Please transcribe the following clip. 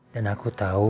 dan aku tahu